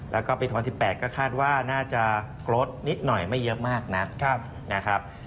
แล้วก็ปี๒๐๑๘ก็คาดว่าน่าจะลดนิดหน่อยไม่เยอะมากนักนะครับ